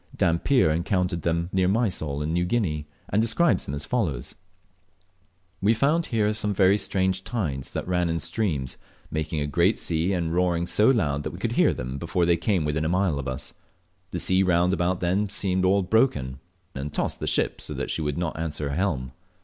Dampier encountered them near Mysol and New Guinea, and describes them as follows: "We found here very strange tides, that ran in streams, making a great sea, and roaring so loud that we could hear them before they came within a mile of us. The sea round about them seemed all broken, and tossed the ship so that she would not answer her helm.